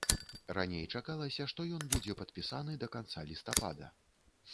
Раней чакалася, што ён будзе падпісаны да канца лістапада.